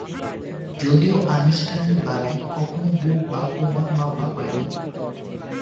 যদিও আনুষ্ঠানিকভাবে কখনও বুক বা কোমর মাপা হয়নি।